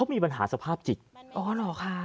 ชาวบ้านญาติโปรดแค้นไปดูภาพบรรยากาศขณะ